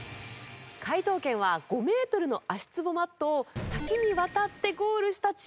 解答権は５メートルの足ツボマットを先に渡ってゴールしたチームに与えられます。